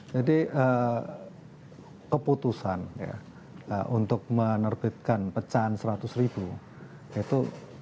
jadi keputusan ya untuk menerbitkan pecahan seratus ribu itu tidak mutlak dari bank indonesia